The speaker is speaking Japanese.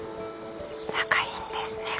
仲いいんですね